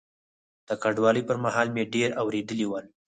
د کډوالۍ پر مهال مې ډېر اورېدلي ول.